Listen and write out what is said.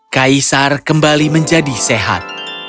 kaisar kembali menjadi sehat